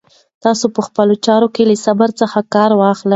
تاسو په خپلو چارو کې له صبر څخه کار واخلئ.